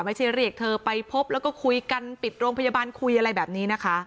ไม่ใช่เรียกเธอไปพบแล้วก็คุยกันปิดโรงพยาบาลคุยอะไรแบบนี้นะคะ